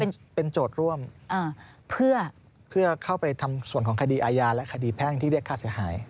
ใช่เป็นจุดร่วมเพื่อเข้าไปทำส่วนของคดีอายารพูดแทนพ่อแม่เสียหาย